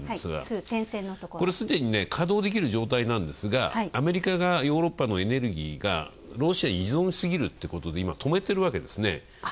これすでに稼働できる状態なんですが、アメリカがヨーロッパのエネルギーがロシアに依存しすぎるってことで、今、とめてるわけですね。